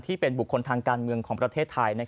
ที่เป็นบุคคลทางการเมืองของประเทศไทย